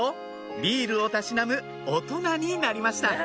ビールをたしなむ大人になりました